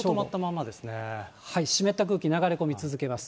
湿った空気、流れ込み続けます。